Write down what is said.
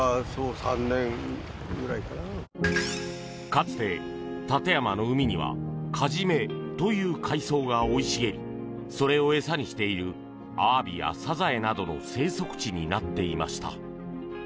かつて、館山の海にはカジメという海藻が生い茂りそれを餌にしているアワビやサザエなどの生息地になっていました。